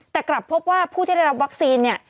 แต่กลับพบว่าผู้ที่ได้รับวัคซีนเนี่ย